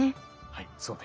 はいそうです。